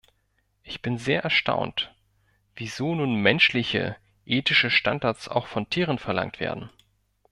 Ich bin sehr erstaunt, wieso nun menschliche, ethische Standards auch von Tieren verlangt werden.